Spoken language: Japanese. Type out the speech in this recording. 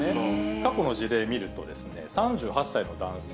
過去の事例見るとですね、３８歳の男性。